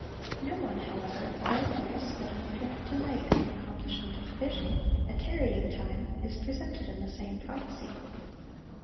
No one, however, then noticed that an apparent delay in the accomplishment of the vision—a tarrying time—is presented in the same prophecy.